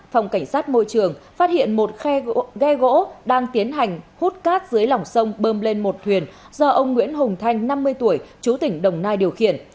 phòng cảnh sát môi trường phát hiện một khe gỗ đang tiến hành hút cát dưới lòng sông bơm lên một thuyền do ông nguyễn hùng thanh năm mươi tuổi chú tỉnh đồng nai điều khiển